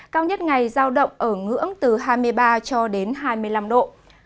cao nhất ngày giao động ở ngưỡng từ hai mươi ba cho đến hai mươi năm độ